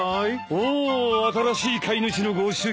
おお新しい飼い主のご出勤だぞ。